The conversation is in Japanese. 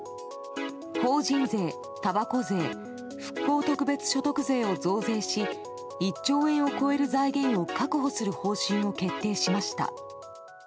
法人税、たばこ税復興特別所得税を増税し１兆円を超える財源を確保する方針を決定しました。